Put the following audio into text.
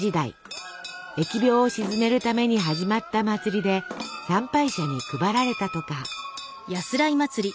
疫病を鎮めるために始まった祭りで参拝者に配られたとか。